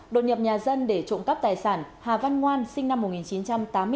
đột nhập nhà dân để trộm cắp tài sản hà văn ngoan sinh năm một nghìn chín trăm tám mươi tám